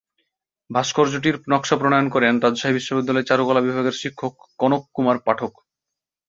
ভাস্কর্যটির নকশা প্রণয়ন করেন রাজশাহী বিশ্ববিদ্যালয়ের চারুকলা বিভাগের শিক্ষক কনক কুমার পাঠক।